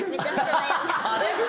あれ？